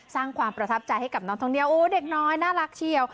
สร้างความประทับใจให้กับนักท่องเที่ยวโอ้เด็กน้อยน่ารักเชียว